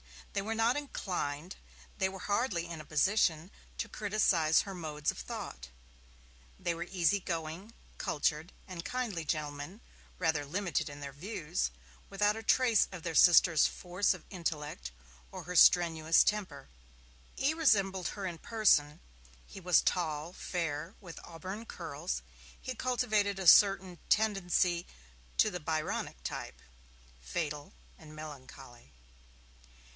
They were not inclined, they were hardly in a position, to criticize her modes of thought. They were easy going, cultured and kindly gentlemen, rather limited in their views, without a trace of their sister's force of intellect or her strenuous temper. E. resembled her in person, he was tall, fair, with auburn curls; he cultivated a certain tendency to the Byronic type, fatal and melancholy.